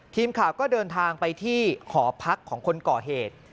ทีมข่าวก็เดินทางไปที่หอพักของคนก่อเหตุ